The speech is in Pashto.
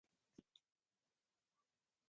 ازادي راډیو د اقلیم پر اړه مستند خپرونه چمتو کړې.